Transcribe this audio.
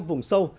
cao vùng sâu